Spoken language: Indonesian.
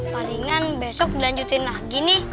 palingan besok dilanjutin lagi nih